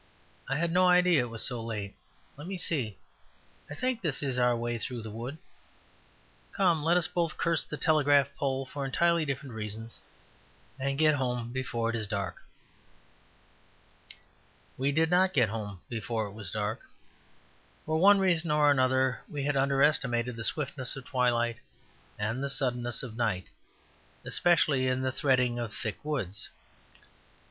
I had no idea it was so late. Let me see, I think this is our way through the wood. Come, let us both curse the telegraph post for entirely different reasons and get home before it is dark." We did not get home before it was dark. For one reason or another we had underestimated the swiftness of twilight and the suddenness of night, especially in the threading of thick woods.